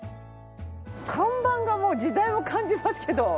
看板がもう時代を感じますけど。